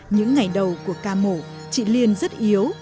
những ngày đầu của ca mổ chị liên rất yếu